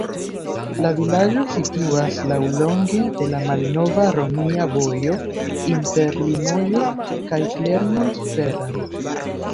La vilaĝo situas laŭlonge de la malnova romia vojo inter Limoĝo kaj Clermont-Ferrand.